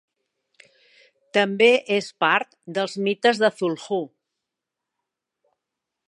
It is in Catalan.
També és part dels mites de Cthulhu.